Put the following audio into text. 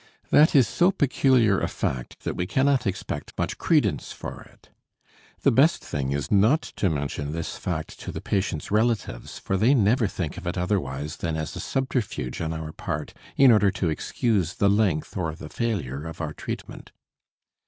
That is so peculiar a fact that we cannot expect much credence for it. The best thing is not to mention this fact to the patient's relatives, for they never think of it otherwise than as a subterfuge on our part in order to excuse the length or the failure of our treatment.